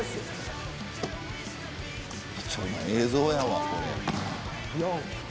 貴重な映像やわ。